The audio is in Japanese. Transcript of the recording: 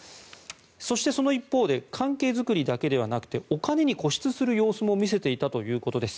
そして、その一方で関係作りだけではなくお金に固執する様子も見せていたということです。